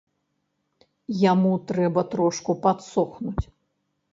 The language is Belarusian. Яму трэба трошку падсохнуць.